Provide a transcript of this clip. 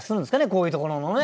こういうところのね。